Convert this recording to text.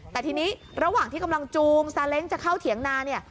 แต่ทีนี้ระหว่างที่กำลังจูงซาเล้งจะเข้าเถียงนาเนี่ย